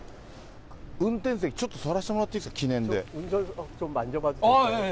運転席、ちょっと座らせてもらっていいですか、記念で。